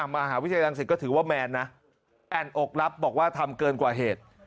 มหาวิทยาลังศิษฐ์ก็ถือว่าแมออกลับบอกว่าทำเกินกว่าเหตุ